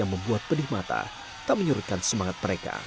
membuat pedih mata tak menyuruhkan semangat mereka